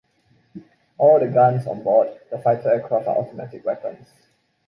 All the guns on board the fighter aircraft are automatic weapons.